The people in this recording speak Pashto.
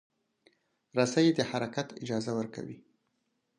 رسۍ د حرکت اجازه ورکوي.